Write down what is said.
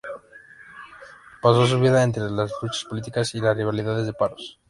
Pasó su vida entre las luchas políticas y las rivalidades de Paros.